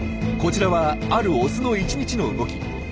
こちらはあるオスの１日の動き。